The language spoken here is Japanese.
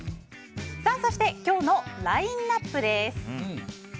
そして、今日のラインアップです。